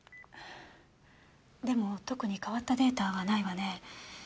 でも特に変わったデータはないわね。